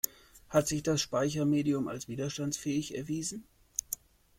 Hat sich das Speichermedium als widerstandsfähig erwiesen?